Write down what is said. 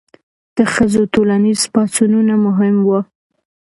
د ښځو ټولنیز پاڅونونه مهم وو.